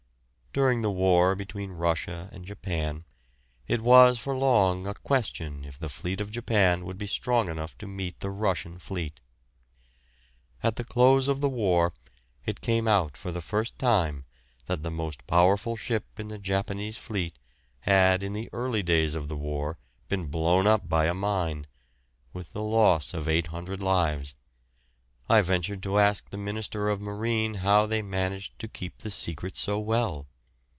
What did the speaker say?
During the war between Russia and Japan, it was for long a question if the fleet of Japan would be strong enough to meet the Russian fleet. At the close of the war it came out for the first time that the most powerful ship in the Japanese fleet had in the early days of the war been blown up by a mine, with the loss of 800 lives. I ventured to ask the Minister of Marine how they managed to keep the secret so well.